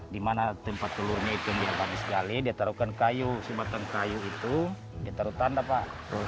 di mana tempat telurnya itu dia taruhkan kayu simpanan kayu itu dia taruh tanda pak